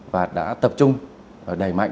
và đã tập trung đầy mạnh